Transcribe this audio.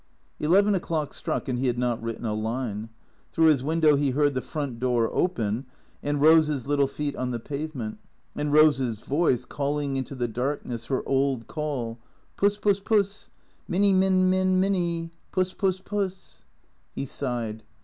Eleven o'clock struck and he had not written a line. Through his window he heard the front door open and Eose's little feet on the pavement, and Eose's voice calling into the darkness her old call, "Puss — Puss — Puss. Minny — Min — Min — Minny. Puss — Puss — Puss." He sighed.